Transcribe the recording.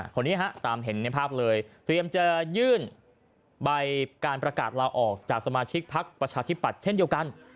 คนนี้ฮะตามเห็นในภาพเลยเตรียมจะยื่นใบการประกาศลาออกจากสมาชิกพักประชาธิปัตย์เช่นเดียวกัน